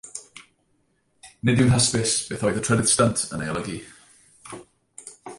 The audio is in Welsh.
Nid yw'n hysbys beth oedd y trydydd stynt yn ei olygu.